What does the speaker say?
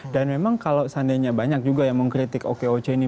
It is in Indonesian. dan memang kalau sandi nya banyak juga yang mengkritik okoc ini